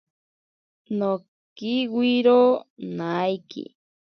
Nokiwiro naiki.